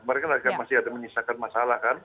mereka masih ada menyisakan masalah kan